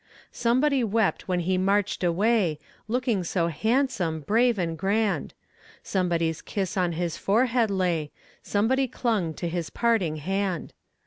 Somebody wept when he marched away, Looking so handsome, brave and grand; Somebody's kiss on his forehead lay, Somebody clung to his parting hand.